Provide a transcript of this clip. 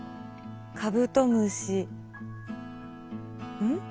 うん？